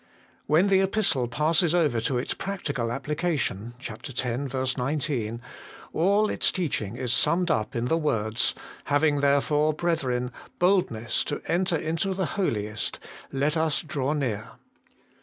When the Epistle passes over to its practical application (x. 19), all its teaching is summed up in the words :' Having therefore, brethren, boldness to enter into the Holiest, let us draw near.'